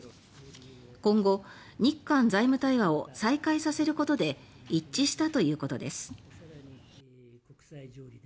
今後「日韓財務対話」を再開させることで一致したということです。